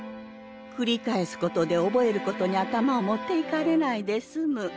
繰り返すことで覚えることに頭を持っていかれないで済む。